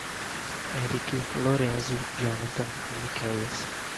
Erick, Lorenzo, Jonathan e Miquéias